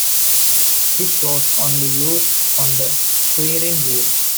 This was only used on the steering wheel.